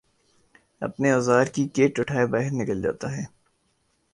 اپنے اوزار کی کٹ اٹھائے باہر نکل جاتا ہے